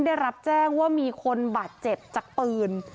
ได้รับแจ้งว่ามีคนบาดเจ็บจากปืน